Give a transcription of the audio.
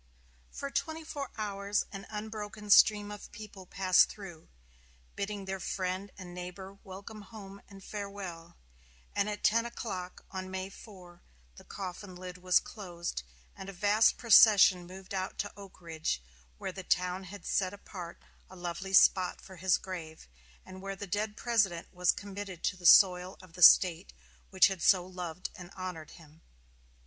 For twenty four hours an unbroken stream of people passed through, bidding their friend and neighbor welcome home and farewell; and at ten o'clock on May 4, the coffin lid was closed, and a vast procession moved out to Oak Ridge, where the town had set apart a lovely spot for his grave, and where the dead President was committed to the soil of the State which had so loved and honored him.